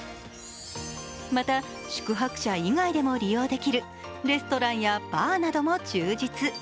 また、宿泊者以外でも利用できるレストランやバーなども充実。